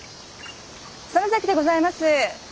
曽根崎でございます。